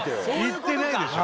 行ってないでしょ。